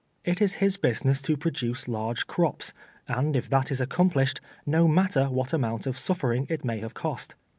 It is his 1)usiness to produce large crops, and if that is accomplished, no matter whixi amount of suffering it nuiy have cost.